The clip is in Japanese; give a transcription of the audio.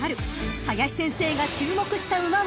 ［林先生が注目した馬は］